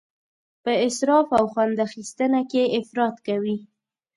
په اسراف او خوند اخیستنه کې افراط کوي.